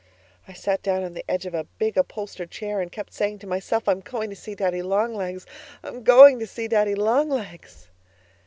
I sat down on the edge of a big upholstered chair and kept saying to myself: 'I'm going to see Daddy Long Legs! I'm going to see Daddy Long Legs!'